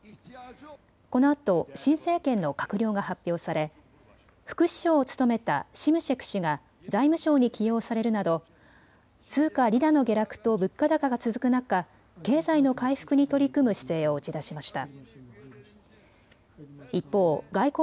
このあと新政権の閣僚が発表され副首相を務めたシムシェク氏が財務相に起用されるなど通貨リラの下落と物価高が続く中、経済の回復に取り組む姿勢を打ち出しました。